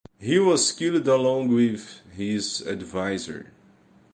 He was killed along with his adviser.